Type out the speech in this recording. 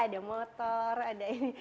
ada motor ada ini